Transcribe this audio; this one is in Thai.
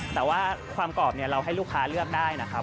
แต่ว่าความกรอบเราให้ลูกค้าเลือกได้นะครับ